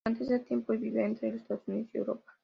Durante este tiempo, vivía entre Estados Unidos y Europa.